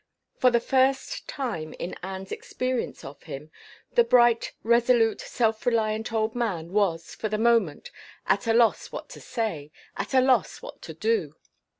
For the first time in Anne's experience of him, the bright, resolute, self reliant old man was, for the moment, at a loss what to say, at a loss what to do.